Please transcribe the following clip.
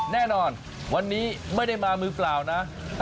แน่นอนวันนี้ไม่ได้มามือเปล่านะ